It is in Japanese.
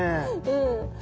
うん。